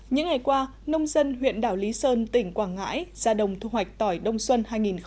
những ngày qua nông dân huyện đảo lý sơn tỉnh quảng ngãi ra đồng thu hoạch tỏi đông xuân hai nghìn một mươi hai nghìn hai mươi